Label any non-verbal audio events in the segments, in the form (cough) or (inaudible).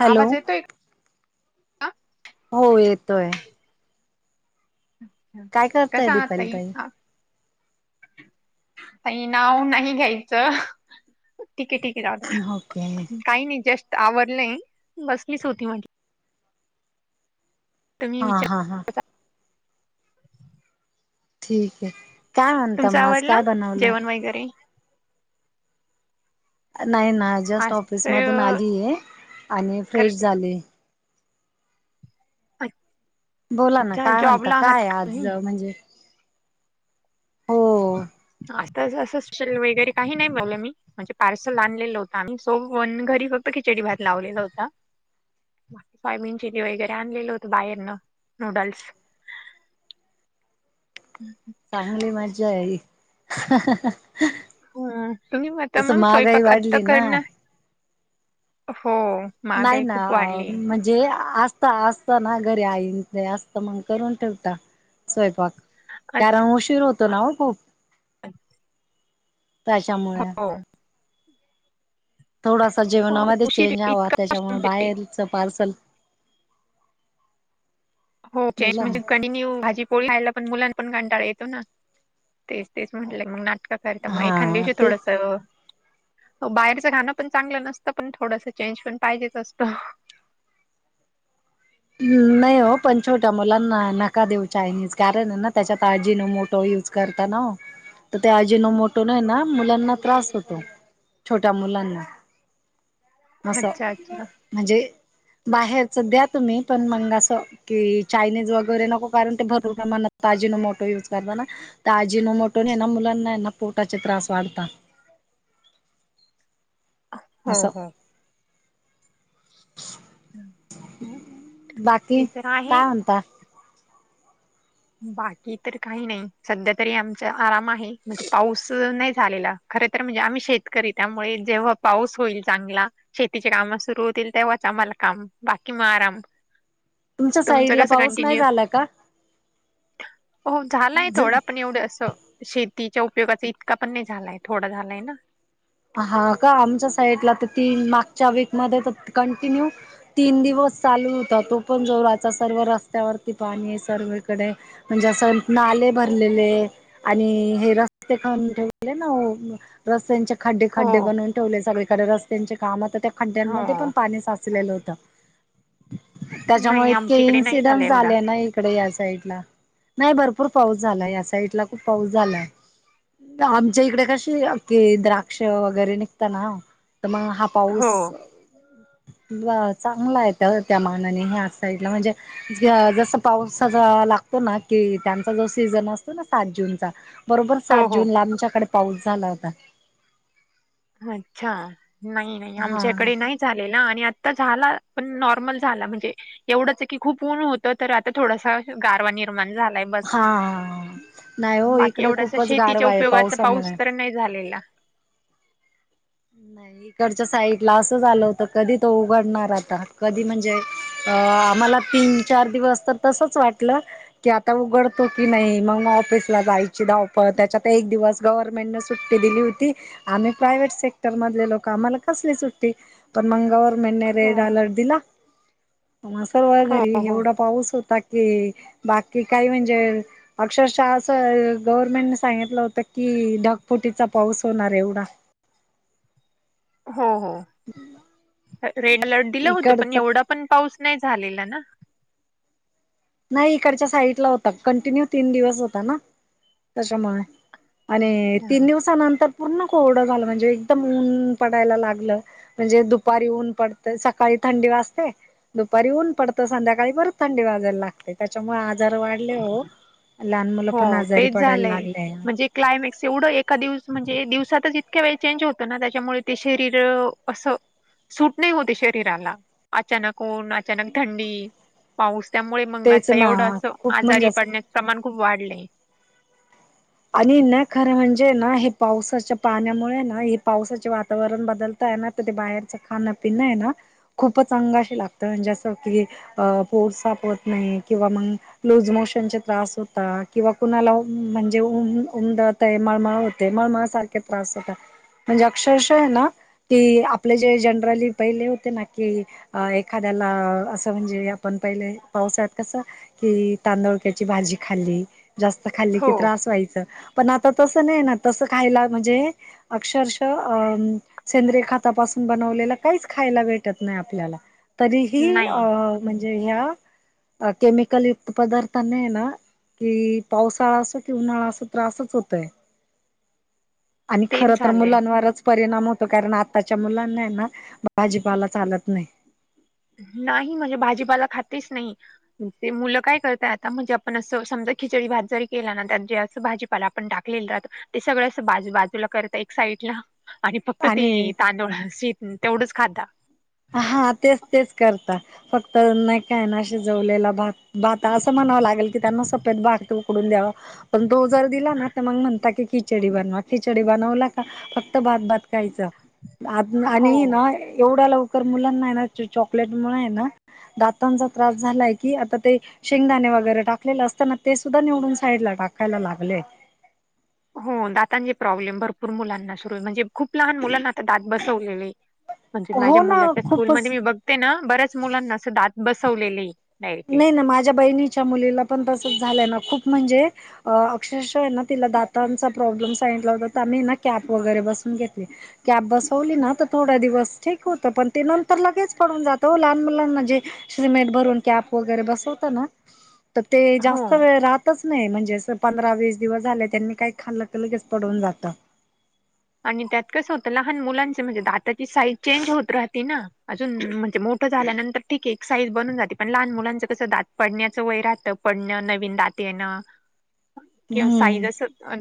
Hello आवाज येतोय? का? हो येतोय अ्छ काय करताय कसा आ दीपाली तई ताई हा काही नाव नाही घ्यायचं. ठीके ठीके रा ओके काही नाही जस्ट आवडलंय बसलीच होती म्हट. तुम्ही हा विचार हा हा ठीक आहे काय म्हणत तुमचं मग आज आवरलं काय बनवलंय. जेवण वगैरे नाही ना जस्ट आज ऑफिस तर मधून आलीय आणि फ्रेश करते. झाले. अच बोला ना अच्छ काय जॉब म्हणता लाात. काय आज म्हणजे हो आता असंच वगैरे काही नाही बला मी म्हणजे पार्सल आणलेलं होत आणि सो वन घरी फक्त खिचडी भात लावलेला होता. फाय मिीन चिली वगैरे आणलेल होत बाहेरन नूडल्स. हम्म हम्म. चांगली मज्जा आहे. हो तुम्ही मता तस मंग महागाई स्वयंपाक आता वाढली ना करणार हो. नाही महागाई ना खूप वाढली म्हण जे असता असता ना घरी आई न ते असता मगं करून ठेवता. स्वयंपाक अच्छा कारण उशीर होतो ना हो खूप. (unintelligible) त्याच्यामुळे. हो थोडासा अ, जेवणामध्ये उशीर चेंज हवा इतका उशीर त्याच्यामुळे म्हणजे बाहेरचं पार्सल हो चेज बोला म्हणजे ना कंटिन्यू भाजी पोळी खयला पण मुलां पण कांटाळा येतो ना तेच तेच म्हट मग नाटक करत मग एखाद हा दिवशी ते थोडस बाहेरचं खान पण चांगलं नसतं पण थोडसं चेंज पण पाहिजेच असतो. नाही हो पण छोट्या मुलांना नका देऊ चायनीज कारण ना त्याच्यात हाजीनोमोटो यूज करताना हो त ते अजिनोमोटो ने ना मुलांना त्रास होतो. छोट्या मुलांना. अस अच्छा अच्छा म्हणजे बाहेरच द्या तुम्ही पण मंग अस की चायनीज वगैरे नको कारण ते भरपूर प्रमाणात आजिनोमोटो यूज करता ना. त्या अजिनोमोटो ने ना मुलांना ना पोटाचे त्रास वाढतात. असं हो हो. हं, बाकी ते तर आहे काय म्हणतात? बाकी तर काही नाही सध्या तरी आमचा आराम आहे म्हणजे पाऊस नाही झालेला. खर तर म्हणजे आम्ही शेतकरी त्यामुळे जेव्हा पाऊस होईल चांगला शेतीचे काम सुरु होतील तेव्हाच आम्हाला काम बाकी म आराम. कस तुमच्या तुमच साईडला कस पाऊस नाही कंटिन्यू झाला का? हो झालाय थोडा पण एवढं असं शेतीच्या उपयोगाचा इतका पण नाही झालाय थोडा झालाय ना. हा का आमच्या साईडला तर तीन मागच्या वीकमध्ये तर कंटिन्यू तीन दिवस चालू होता तो पण जोराचा सर्व रस्त्यावरती पाणी आहे सर्वीकडे म्हणजे असं नाले भरलेले आणि हे रस्ते पण ठेवले ना रस्त्यांच्या खड्डे हो खड्डे बनवून ठेवले सगळीकडे रस्त्यांचे कामत त्या खड्ड्यांमध्ये हो पण पाणी साच (unintelligible) त्याच्यामुळे नाही इतके आमच्या इकडे नाही झाला इन्सिडंट एवढा झाले ना इकडे या साईड ला भरपूर पाऊस झाला या साईड ला खूप पाऊस झालाय. आमच्या इकडे कशी ते द्रा क्ष वगैरे निघता ना हो तर मग हा पाऊस हो हिवाळ्यात चांगला आहे त्या त्या मानाने ह्या साइडला म्हणजे ज जस पावसाचा लागतो ना कि त्यांचा जो सीझन असतो ना सात जूनचा बरोबर हो सात हो जून ला आमच्याकडे पाऊस झाला होता. अच्छा नाही नाही हा आमच्याकडे नाही झालेला आणि आता झाला पण नॉर्मल झाला म्हणजे एवढंच की खूप ऊन होतं तर आता थोडासा गारवा निर्माण झालाय. बस हा नाही हो बाकी इकडे एवढसा खूपच शेतीच्या गारवा आहे उपयोगाचा पाऊस पावसामुळे तर नाही झालेला. नाही. तिकडच्या साईडला असं झालं होत कधी तो उघडणार आता कधी म्हणजे अ आम्हाला पिंक चार दिवस तर तसच वाटलं कि आता उघडतो की नाही मग मग ऑफिसला जायची धावपळ त्याच्यात एक दिवस गव्हर्नमेंटनें सुट्टी दिली होती आम्ही प्रायवेहेट सेक्टर मधले लोक आम्हाला कसली सुट्टी पण मग गव्हर्नमेंटे हो रेड ऑलर्ट दिला. सर्व हो घरी हो एवढा पाऊस होता की बाकी काही म्हणजे अक्षरशा असं गव्हर्नमेंटने सांगितलं होतं की ढगफुटीचा पाऊस होणार एवढा हो हो रेड अलर्ट दिलं होतं पण इकडचा एवढा पण पाऊस नाही झालेला ना नाही इकडच्या साईडला होता कंटिन्यू तीन दिवस होता ना त्याच्यामुळे आणि अच्छा तीन दिवसानंतर पूर्ण कोरडं झालं म्हणजे एकदम ऊन पडायला लागलं म्हणजे दुपारी ऊन पडते सकाळी थंडी वाजते. दुपारी ऊन पडतं संध्याकाळी बरच थंडी वाजायला लागते त्याच्यामुळे आजार वाढले हो लहान मुलं पण हो आजारी तेच पडायला झालंय लागलेय म्हणजे क्लायमॅक्स एवढं एका दिवस म्हणजे दिवसातच इतक्या वेळ चेंज होतो ना त्याच्यामुळे ते शरीर असं सूट नाही होते शरीराला अचानक ऊन अचानक थंडी पाऊस त्यामुळे मग तेच आता ना एवढं असं खूप म्हणजे आजारी असं पडण्याचं प्रमाण खूप वाढलंय आणि न खरं म्हणजे ना हे पावसाच्या पाण्यामुळे ना हे पावसाचे वातावरण बदल ना तर ते बाहेरच खाण पिं आहे ना खूपच अंगाशी लागतं जसं की अ पोर सापवत नाही किंवा मग लूज मोशन त्रास होता किंवा कुणाला जे उमदत आहे मळमळ होते मळमळ सारखे त्रास होतात म्हणजे अक्षरशा आहे ना कि आपले जे जनरली पहिले होते ना की अ एखाद्याला असं म्हणजे आपण पहिले पावसळ कसं कि तांदुळक्याची भाजी खाल्ली जास्त खाल्ली हो की यच पण आता तस नाही ना तसं खायला म्हणजे अक्षरश अ सेंद्रे खातापासून बनवलेलं काहीच खायला भेटत नाही आपल्याला तरीही अ नाही म्हणजे ह्या अ केमिकल युक्त पदार्था नाही ना कि पावसाळा अस उन्हाळा अस त्रासच होतय आणि खर तेच तर झालंय मुलांवरच परिणाम होतो कारण आत्ताच्या मुलांना ना भाजीपाला चालत नाही. नाही म्हणजे भाजीपाला खातेच नाही. ते मुलं काय करतय आता म्हणजे आपण असं समजा खिचडी भात जरी केला ना त्या जे अस भाजी आपण टाकलेलं राहत ते सगळं अस बाजू बाजूला करत एक साईड ला आणि फक्त आणि ते तांदूळ शी तेवढंच खाता. हा तेच तेच करता फक्त नाही काय ना शिजवलेला भात बाता असं म्हणावं लागेल की त्यांना सपद बाग उकडून द्यावं पण तो जर दिला ना तर मग म्हणता की खिचडी बनवा खिचडी बनवला का फक्त भात भात कयचा. आ हो आणि ना एवढा लवकर मुलांना आहे ना चॉकलेट मुळे आहे ना. दातांचा त्रास झालाय की आता ते शेंगदाणे वगैरे टाकलेले असताना ते सुद्धा निवडून साईड ला टाकायला लागले. हो दातांचे प्रॉब्लेम भरपूर मुलांना सुरू आहे म्हणजे खूप लहान मुलांना आता दात बसवलेले. (unintelligible) म्हणजे माझ्या ना मुलाच्या खूपच स्कूलमध्ये मी बघते ना बऱ्याच मुलांना अस दात बसवलेले. डायरेक्टली नाही ना माझ्या बहिणीच्या मुलीला पण तसच झालंय ना खूप म्हणजे अक्षरशः ना तिला दातांचा प्रॉब्लेम सांगितला होता तर आम्ही ना कॅब वगैरे बसून घेतली. कॅब बसवली ना तर थोड्या दिवस ठीक होतं पण ते नंतर लगेच पडून जातं लहान मुलां म्हणजे. सिमेंट भरून कॅप वगैरे बसवत ना तर ते हो जास्त वेळ च नाही म्हणजे असं पंधरा वीस दिवस झाले त्यांनी काही खाल्लं तर लगेच पडवून जातं. आणि त्यात कसं होत लहान मुलांचे म्हणजे दाताची साईज चेंज होत राहती ना. अजून म्हणजे मोठं झाल्यानंतर ठीक आहे एक साईज बनून जाते पण लहान मुलांचं कसं दात पडण्याचं वय राहतं. पडणं नवीन दात येणं. ह (unintelligible) किंवा साईज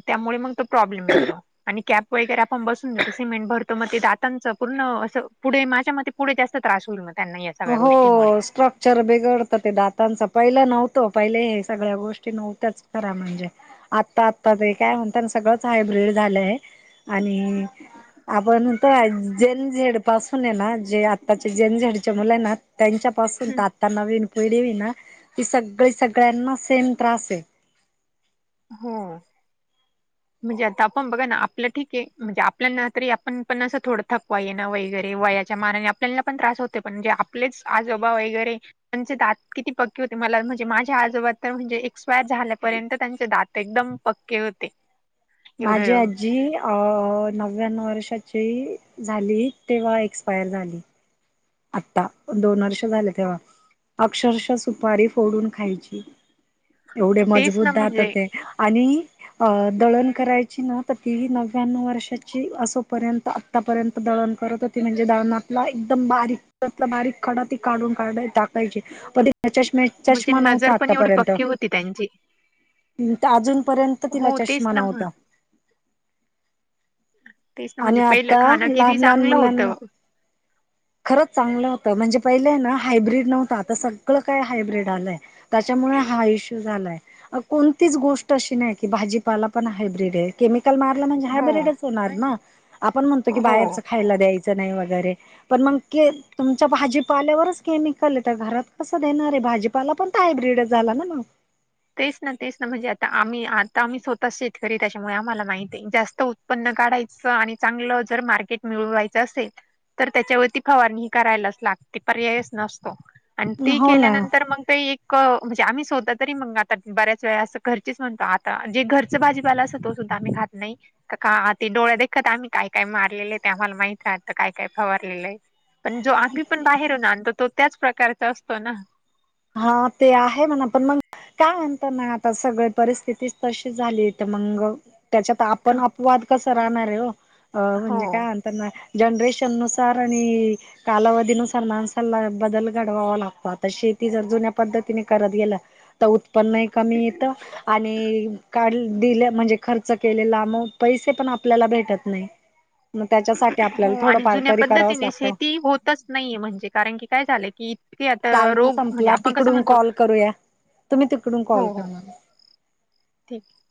त्यामुळे मग तो प्रॉब्लेमो आणि कॅप वगैरे आपण बसून देतो सिमेंट भरतो मग ते दातांचं पूर्ण असं पुढे माझ्या मते पुढे जास्त त्रास होईल म त्यांना या सगळ्या गोष्टीमुळे चर बिगडतं ते दातांच. पहिलं नव्हतं. पहिले हे सगळ्या गोष्टी नव्हत्याच, खऱ्या म्हणजे आत्ता -आता ते काय म्हणताना, सगळंच हायब्रीड झालंय. आणि आपण मनतो जेन - झेड पासूनयना, जे आत्ताचे जेन झेड च्या मुलांना त्यांच्यापासून हम्म. तात नवीन पिढीय ना, की सगळी- सगळ्यांना सेम त्रासय. हो. (inaudible) म्हणजे आता आपण बघा ना. आपलं ठीकय. म्हणजे आपल्या ना तरी, आपण पण असं थोडं, थकवा येणं वैगैरे वया च्या मानाने आपल्याला पण त्रास होते. पण म्हणजे आपलेच आजोबा वगैरे त्यांचे दात किती पक्की होते. मला म्हणजे माझ्या आजोबा तर म्हणजे, एक्सपायर झाल्यापर्यंत त्यां चे दात एकदम पक्के होते. एवढे माझी आजी अ नव्याण्णव वर्षाची, झाली. तेव्हा एक्सपायर झाली. आता, दोन वर्ष झाली तेव्हा. अक्षरशः सुपारी फोडून खायची. एवढे तेच मजबूत ना दात म्हणजे होते. आणि अ दळण करायची ना, तर तीही नव्यान्नव वर्षाची असोपर्यंत आतापर्यंत दळण करत होती. म्हणजे दळणातला एकदम बारीक त्यातला बारीक खडा ती काढून -काढ टाकायची. कधी चष्म्याच - म्हणजे चष्मा नजर नव्हता पण एवढी आतापर्यंत. पक्की होती त्यांची तील ता अजूनपर्यंत तिला हो तेच चष्मा ना म्ह- नव्हता. तेच ना आणि म्हणजे पहिलं आता खाणं किती लहान लहान चांगलं मुलांना होतं खरंच चांगलं होतं. म्हणजे पहिलंय ना, हायब्रीड नव्हतं. आता सगळं काय हायब्रीड आलंय. त्याच्यामुळे हा इश्यू झालाय. कोणतीच गोष्ट अशी नाही की, भाजीपाला पण हायब्र्रीडय. केमिकल मारलं म्हणजे हो हायब्रिडच होणार ना. आपण म्हणतो की हो बाहेरच खा खायला द्यायचं नाही, वगैरे. पण मग के तुमच्या भाजीपाल्यावरच केमिकलय. तर घरात कसं देणारय. भाजीपाला पण तो हायब्र्रीड झाला ना मग. तेच ना -तेच ना. म्हणजे आता आम्ही - आता आम्ही स्वतःच शेतकरी त्याच्यामुळे, आम्हाला माहितीय. जास्त उत्त उत्पन्न काढायचं. आणि चांगलं जर मार्केट मिळवायचं असेल तर त्याच्यावरती, फवारणी ही करायलाच लागते. पर्याय नसतो. आणि ती हो ना केल्यानंतर मग ते एक, म्हणजे आम्ही स्वत तरी म तर बऱ्याच वेळा असं घरचीच म्हणतो. आता, जे घरच भाजीपाला असं तो सुद्धा आम्ही खात नाही. का ते डोळ्या देखत आम्ही काय- काय मारलेलेय. ते आम्हाला माहित. आता काय- काय फवारलेलंय. पण जो, आम्ही पण बाहेरून आणतो. तो त्याच प्रकारचा असतो ना. हा. ते आहे म्हणा. पण मग काय म्हणत ना, आता सगळे परिस्थितीच तशी झाली. तर मंग त्याच्यात आपण अपवाद कसा, राहणारय ओ? म्हणजे काय हो मन त्यांना जनरेशन नुसार आणि कालावधीनुसार माणसाला बदल घडवावा लागतो. आता शेती ती. जर जुन्या पद्धतीने करत गेलं उत्पन्न ही कमी येतं. आणि काढ, दिलं म्हणजे खर्च केलेला. मग पैसे पण आपल्याला भेटत नाही. मग त्याच्यासाठी, आपल्याला थोडंफार तरी करावंच लागतं. तस नाहीये. म्हणजे कारण की, काय झालंय की कि आता, टाइम रोग म्हणजे संपला आपण कसं तिकडून म्हणतो. कॉल करूया तुम्ही तिकडून हो, कॉल करा हो. मला ठीकय.